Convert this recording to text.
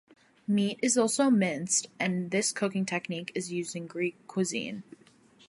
Meat is also minced and this cooking technique is used in Greek cuisine.